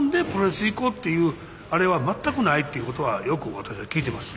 こうっていうあれは全くないっていうことはよく私は聞いてます。